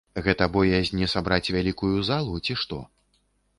Гэта боязь не сабраць вялікую залу, ці што?